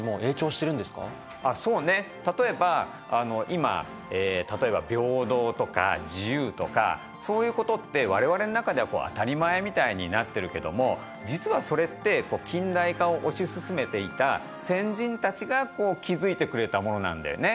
今例えば平等とか自由とかそういうことって我々の中では当たり前みたいになってるけども実はそれって近代化を推し進めていた先人たちが築いてくれたものなんだよね。